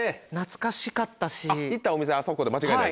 行ったお店あそこで間違いない。